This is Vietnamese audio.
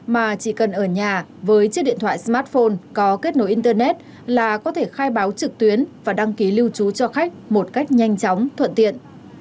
mà chỉ cần ở nhà với chiếc điện thoại smartphone có kết nối internet là có thể khai báo trực tuyến và đăng ký lưu trú cho khách một cách nhanh chóng thuận tiện